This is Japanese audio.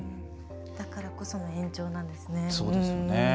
だからこその延長なんですね。